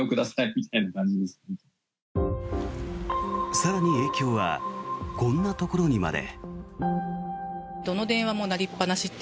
更に影響はこんなところにまで。